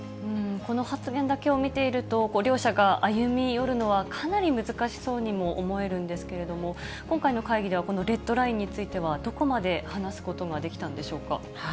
この発言だけを見ていると、両者が歩み寄るのは、かなり難しそうにも思えるんですけれども、今回の会議では、このレッドラインについては、どこまで話すことができたんでしょうか。